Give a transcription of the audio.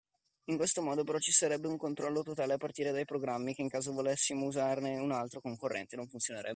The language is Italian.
In questo modo però ci sarebbe un controllo totale a partire dai programmi che in caso volessimo usarne un altro (concorrente) non funzionerebbe.